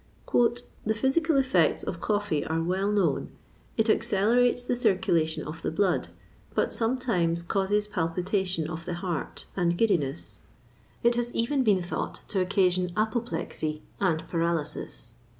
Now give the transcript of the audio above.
"The physical effects of coffee are well known: it accelerates the circulation of the blood, but sometimes causes palpitation of the heart and giddiness; it has even been thought to occasion apoplexy and paralysis.